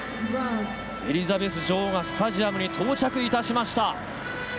エリザベス女王がスタジアムに到着いたしました。